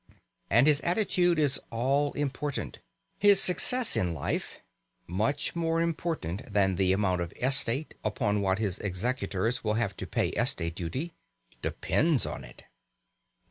And his attitude is all important. His success in life (much more important than the amount of estate upon what his executors will have to pay estate duty) depends on it.